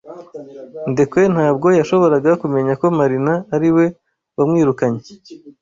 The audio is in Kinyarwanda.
Ndekwe ntabwo yashoboraga kumenya ko Marina ariwe wamwirukanye.